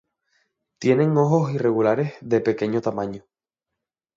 Tienen ojos irregulares de pequeño tamaño.